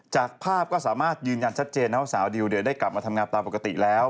จากภาพก็สามารถยืนยันชัดเจนว่าสาวดิวได้กลับมาทำงานตามปกติแล้ว